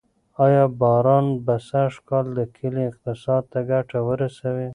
آیا باران به سږکال د کلي اقتصاد ته ګټه ورسوي؟